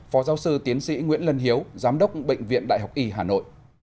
phó giáo sư tiến sĩ nguyễn lân hiếu giám đốc bệnh viện đại học y hà nội